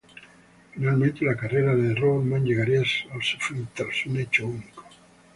Finalmente, la carrera de Robotman llegaría a su fin tras un hecho único.